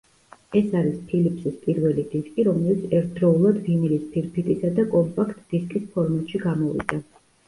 ეს არის ფილიპსის პირველი დისკი, რომელიც ერთდროულად ვინილის ფირფიტისა და კომპაქტ დისკის ფორმატში გამოვიდა.